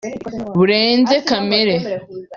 burenze kamere